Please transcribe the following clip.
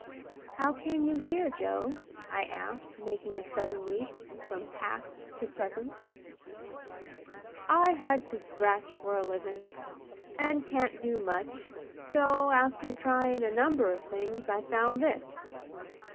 "How came you here, Joe?" I asked, making a sudden leap from past to present. "I had to scratch for a livin', and can't do much: so, after tryin' a number of things, I found this.